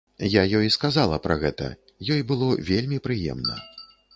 Я ёй сказала пра гэта, ёй было вельмі прыемна.